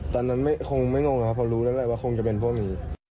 ตอนนั้นคงไม่งงครับเพราะรู้แล้วแหละว่าคงจะเป็นพวกนี้